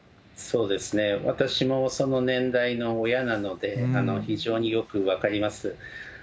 そうですね、私もその年代の親なので、非常によく分かります。